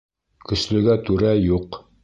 Көслөгә түрә юҡ.